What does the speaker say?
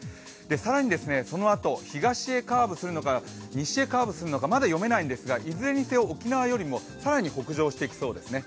更にそのあと東へカーブするのか西へカーブするのか、まだ読めないんですがいずれにせよ、沖縄よりも更に北上していきそうですね。